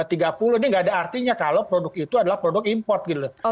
ini nggak ada artinya kalau produk itu adalah produk import gitu loh